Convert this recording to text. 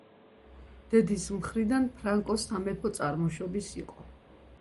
დედის მხრიდან ფრანკო სამეფო წარმოშობის იყო.